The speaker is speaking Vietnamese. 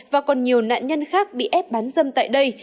và còn nhiều nạn nhân khác bị ép bán dâm tại đây